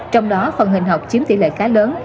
trong đó phần hình học chiếm tỷ lệ khá lớn